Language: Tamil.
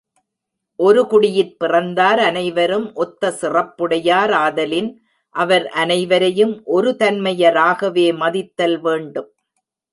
ஒரு குடியிற் பிறந்தார் அனைவரும் ஒத்த சிறப்புடையார் ஆதலின், அவர் அனைவரையும் ஒரு தன்மையராகவே மதித்தல் வேண்டும்.